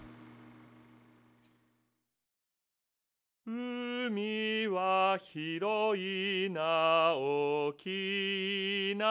「うみはひろいなおおきいな」